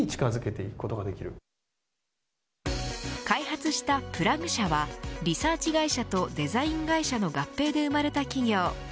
開発したプラグ社はリサーチ会社とデザイン会社の合併で生まれた企業。